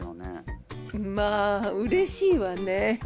まあうれしいわね。